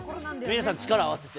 皆さん力を合わせて。